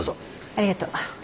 ありがとう。